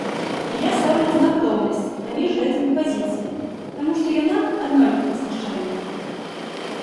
І я стаўлю знак роўнасці паміж гэтымі пазіцыямі, таму што яна аднолькава знішчальныя.